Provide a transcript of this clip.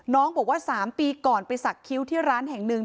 น้องบอกว่า๓ปีก่อนไปสักคิ้วที่ร้านแห่งหนึ่ง